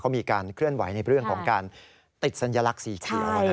เขามีการเคลื่อนไหวในเรื่องของการติดสัญลักษณ์สีเขียว